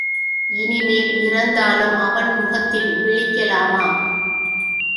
இனிமேல் இறந்தாலும் அவன் முகத்தில் விழிக்கலாமா?